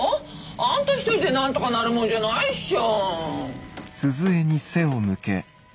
あんた一人でなんとかなるもんじゃないっしょ。